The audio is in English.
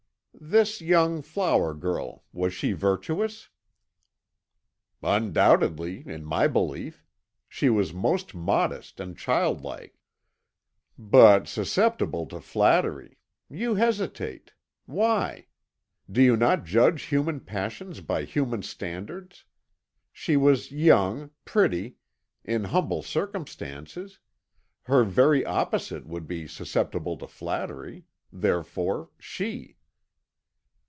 "This young flower girl was she virtuous?" "Undoubtedly, in my belief. She was most modest and child like." "But susceptible to flattery. You hesitate. Why? Do you not judge human passions by human standards? She was young, pretty, in humble circumstances; her very opposite would be susceptible to flattery; therefore, she."